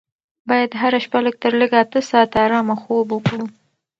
باید هره شپه لږ تر لږه اته ساعته ارامه خوب وکړو.